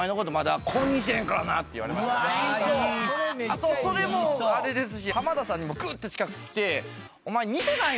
あとそれもあれですし浜田さんにもぐって近く来て。